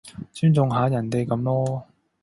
尊重下人哋噉囉